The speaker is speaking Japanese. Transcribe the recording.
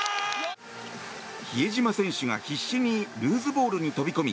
比江島選手が必死にルーズボールに飛び込み